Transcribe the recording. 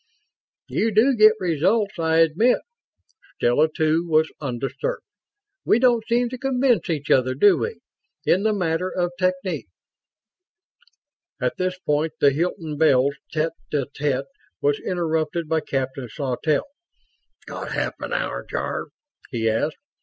"You do get results, I admit." Stella, too, was undisturbed. "We don't seem to convince each other, do we, in the matter of technique?" At this point the Hilton Bells tete a tete was interrupted by Captain Sawtelle. "Got half an hour, Jarve?" he asked.